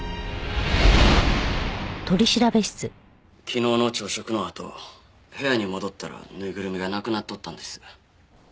昨日の朝食のあと部屋に戻ったらぬいぐるみがなくなっとったんです。